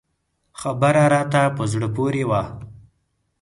خبر راته په زړه پورې و.